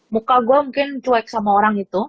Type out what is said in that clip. muka gue mungkin cuek sama orang itu